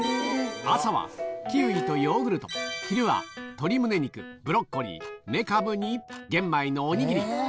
朝はキウイとヨーグルト、昼は鶏むね肉、ブロッコリー、めかぶに玄米のおにぎり。